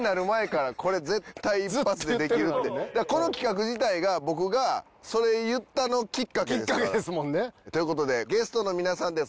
この企画自体が僕がそれ言ったのきっかけですから。という事でゲストの皆さんです。